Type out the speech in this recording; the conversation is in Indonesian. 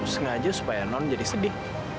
sengaja supaya non jadi sedih